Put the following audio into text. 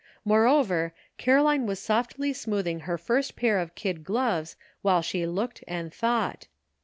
Moreover, Caroline was softly smoothing her first pair of kid gloves while she looked and thought.